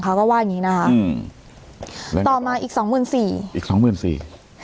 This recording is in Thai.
เขาก็ว่าอย่างงี้นะคะอืมต่อมาอีกสองหมื่นสี่อีกสองหมื่นสี่